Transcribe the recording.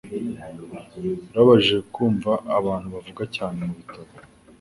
Birababaje kumva abantu bavuga cyane mubitabo